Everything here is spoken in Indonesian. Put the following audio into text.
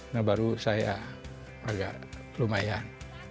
nah baru saya agak lumayan